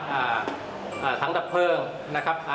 หรือทางด้านเพิงนะครับ